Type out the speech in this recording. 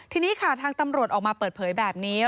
ทีนี้ค่ะทางตำรวจออกมาเปิดเผยแบบนี้